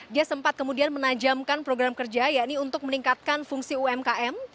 dia sempat kemudian menajamkan program kerja yakni untuk meningkatkan fungsi umkm